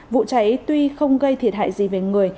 vụ cháy tuy không gây thiệt hại gì về người